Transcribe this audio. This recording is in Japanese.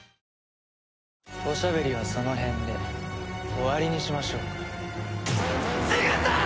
おしゃべりはその辺で終わりにしましょうか。